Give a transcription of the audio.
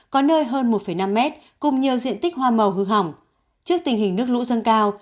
có nơi hơn một năm mét cùng nhiều diện tích hoa màu hư hỏng trước tình hình nước lũ dâng cao